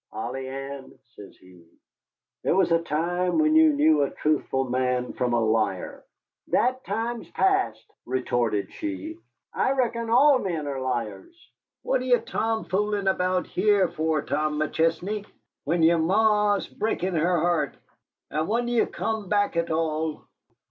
"Polly Ann," says he, "there was a time when you knew a truthful man from a liar." "That time's past," retorted she; "I reckon all men are liars. What are ye tom foolin' about here for, Tom McChesney, when yere Ma's breakin' her heart? I wonder ye come back at all."